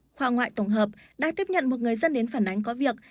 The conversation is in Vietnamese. khoa ngoại tổng hợp đã tiếp nhận một người dân đến phản ánh có việc